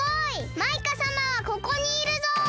マイカさまはここにいるぞ！